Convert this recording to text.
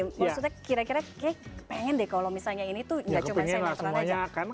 maksudnya kira kira kek pengen deh kalau misalnya ini tuh nggak cuma semuanya akan